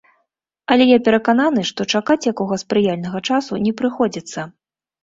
Але я перакананы, што чакаць якога спрыяльнага часу не прыходзіцца.